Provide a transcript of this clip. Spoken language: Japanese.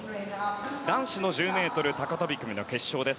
男子の１０ｍ高飛込の決勝です。